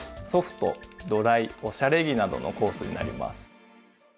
「ソフト」「ドライ」「おしゃれ着」などのコースになります。